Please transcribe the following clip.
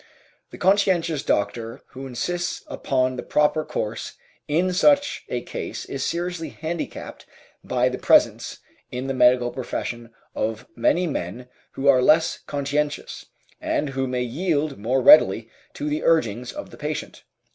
The conscientious doctor who insists upon the proper course in such a case is seriously handicapped by the presence in the medical profession of many men who are less conscientious, and who may yield more readily to the urgings of the patient.